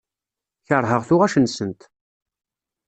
Keṛheɣ tuɣac-nsent.